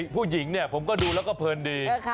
ผู้หญิงเนี่ยผมก็ดูแล้วก็เพลินดี